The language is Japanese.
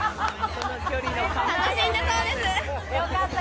楽しんでそうです。